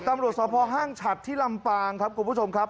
ตำรวจสภห้างฉัดที่ลำปางครับคุณผู้ชมครับ